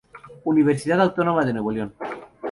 Universidad Autónoma de Nuevo León.